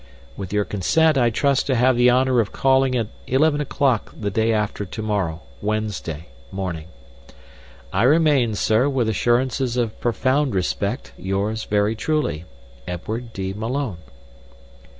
With your consent, I trust to have the honor of calling at eleven o'clock the day after to morrow (Wednesday) morning. "I remain, Sir, with assurances of profound respect, yours very truly, EDWARD D. MALONE."